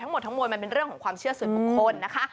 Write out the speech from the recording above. ทั้งหมดทั้งมวลมันเป็นเรื่องของความเชื่อส่วนบุคคลนะคะ